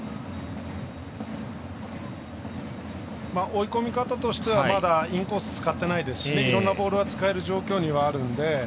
追い込み方としてはまだインコース使ってないですしいろんなボールは使える状況にはあるので。